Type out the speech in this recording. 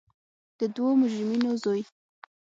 د دوو مجرمینو زوی.